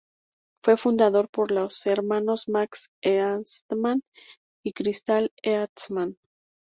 Fue fundada por los hermanos Max Eastman y Crystal Eastman.